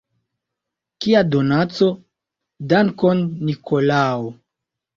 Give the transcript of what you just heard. Kia donaco: dankon, Nikolao!